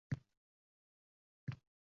Yuringlar, choy ichamiz.